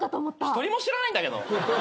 一人も知らないんだけど。